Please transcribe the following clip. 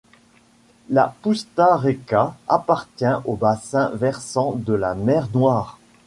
La Pusta reka appartient au bassin versant de la mer Noire.